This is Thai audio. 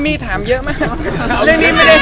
มีถามเยอะมาก